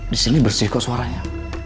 di sini bersih kok suaranya